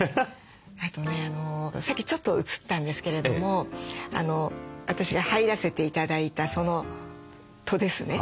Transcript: あとねさっきちょっと映ったんですけれども私が入らせて頂いた戸ですね。